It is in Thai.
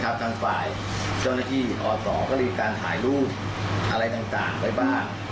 ทางฝ่ายเจ้าระที่ขอต่อกลีเป็นการถ่ายรูปอะไรต่างไว้บ้าง